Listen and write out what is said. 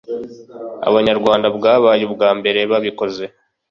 Abanyarwanda bwabaye ubwambere babikoze